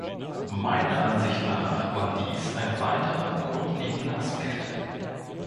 Meiner Ansicht nach war dies ein weiterer grundlegender Aspekt.